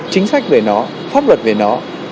chính sách về nó pháp luật về nó